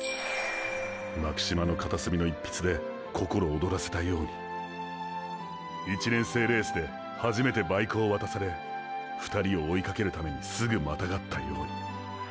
巻島の片すみの一筆で心おどらせたように１年生レースで初めてバイクを渡され２人を追いかけるためにすぐまたがったように。